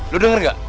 lo denger nggak